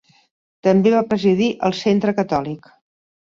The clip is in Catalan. També va presidir el Centre Catòlic.